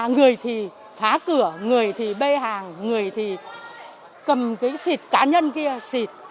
người thì phá cửa người thì bây hàng người thì cầm cái xịt cá nhân kia xịt